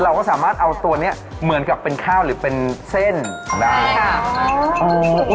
เราก็สามารถเอาตัวนี้เหมือนกับเป็นข้าวหรือเป็นเส้นได้ค่ะ